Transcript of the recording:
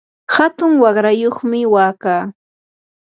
hatun waqrayuqmi wakaa.